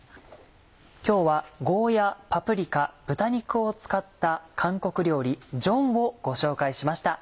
今日はゴーヤパプリカ豚肉を使った韓国料理ジョンをご紹介しました。